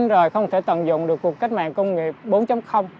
rồi không thể tận dụng được cuộc cách mạng công nghiệp bốn